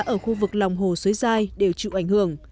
ở khu vực lòng hồ xuế dai đều chịu ảnh hưởng